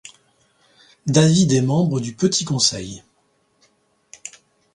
David est membre du Petit Conseil.